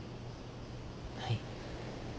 はい。